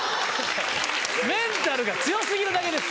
メンタルが強過ぎるだけです。